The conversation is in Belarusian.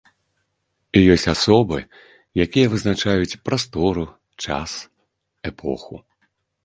І ёсць асобы, якія вызначаюць прастору, час, эпоху.